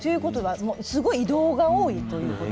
すごい移動が多いということ